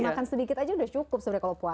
makan sedikit aja udah cukup sebenarnya kalau puasa